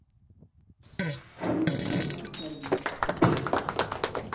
Com va estrenar-se al Liceu?